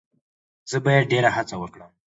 زه باید ډیر هڅه وکړم.